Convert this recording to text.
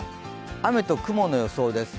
雨と雲の予想です。